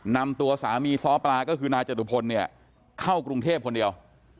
นำตัวสามีซ้อปลาก็คือนายจตุพลเนี่ยเข้ากรุงเทพคนเดียว